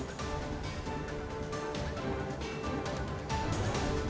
pemadaman di gunung arjuna